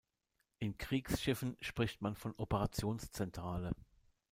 In Kriegsschiffen spricht man von Operationszentrale.